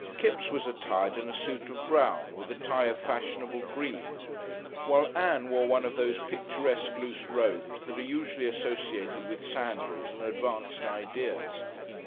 Kipps was attired in a suit of brown, with a tie of fashionable green, while Ann wore one of those picturesque loose robes that are usually associated with sandals and advanced ideas.